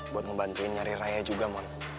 buat ngebantuin nyariin raya juga mon